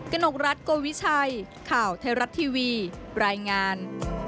กนกรัฐโกวิชัยข่าวไทยรัฐทีวีรายงาน